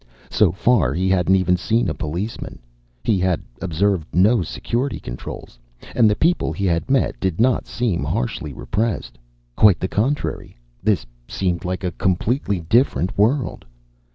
So far, he hadn't even seen a policeman. He had observed no security controls, and the people he had met did not seem harshly repressed. Quite the contrary. This seemed like a completely different world....